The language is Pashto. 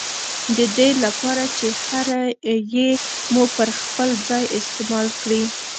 ددې له پاره چي هره ي مو پر خپل ځای استعمال کړې